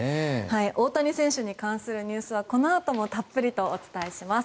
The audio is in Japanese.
大谷選手に関するニュースはこのあともたっぷりとお伝えします。